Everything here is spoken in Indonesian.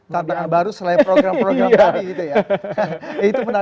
tantangan baru selain program program tadi gitu ya